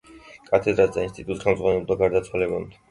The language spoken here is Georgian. კათედრას და ინსტიტუტს ხელმძღვანელობდა გარდაცვალებამდე.